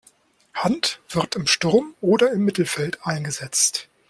Hunt wird im Sturm oder im Mittelfeld eingesetzt.